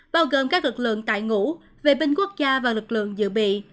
bao gồm các lực lượng tại ngũ vệ binh quốc gia và lực lượng dự bị